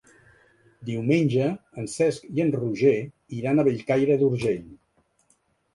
Diumenge en Cesc i en Roger iran a Bellcaire d'Urgell.